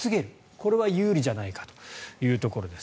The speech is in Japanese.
これは有利じゃないかというところです。